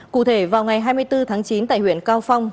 cụ thể vào ngày hai mươi bốn tháng chín tại huyện cao phong